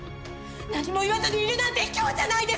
何も言わずにいるなんてひきょうじゃないですか！